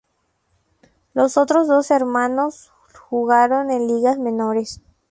Los otros dos hermanos jugaron en ligas menores.